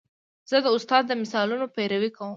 زه د استاد د مثالونو پیروي کوم.